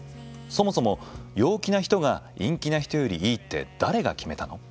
そもそも、陽気な人が陰気な人よりいいって誰が決めたの？